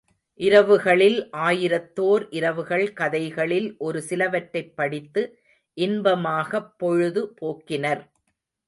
இரவுகளில் ஆயிரத்தோர் இரவுகள் கதைகளில் ஒரு சிலவற்றைப் படித்து இன்பமாகப் பொழுது போக்கினர்.